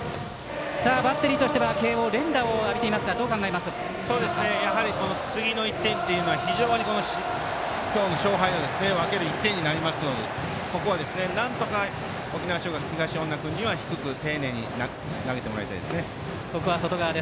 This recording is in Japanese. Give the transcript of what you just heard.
バッテリーとしては慶応連打を浴びていますが次の１点というのは非常に今日の勝敗を分ける１点になりますのでここはなんとか沖縄尚学、東恩納君には低く丁寧に投げてもらいたいです。